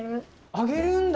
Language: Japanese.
あげるんだ。